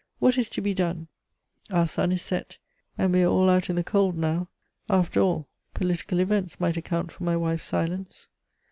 What is to be done? Our sun is set, and we are all out in the cold now. After all, political events might account for my wife's silence!